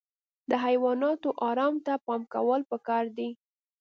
د حیواناتو ارام ته پام کول پکار دي.